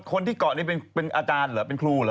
คนที่เกาะนี่เป็นอาจารย์เหรอเป็นครูเหรอ